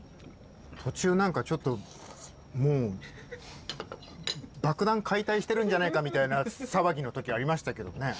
途中何かちょっともう爆弾解体してるんじゃないかみたいな騒ぎの時ありましたけどね。